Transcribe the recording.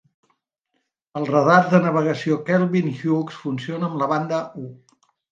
El radar de navegació Kelvin Hughes funciona amb banda I.